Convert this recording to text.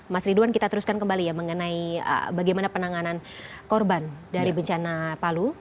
mas ridwan kita teruskan kembali ya mengenai bagaimana penanganan korban dari bencana palu